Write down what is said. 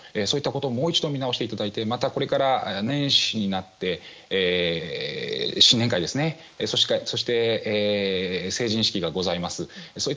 そういったことをもう一度見直していただいてまたこれから年始になって新年会やそして、成人式がございます。